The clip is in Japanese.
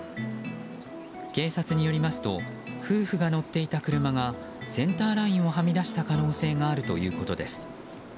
警察によりますと夫婦が乗っていた車がセンターラインをはみ出した可能性があるということです。